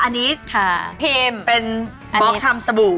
อันนี้เป็นบล็อกชำสบู่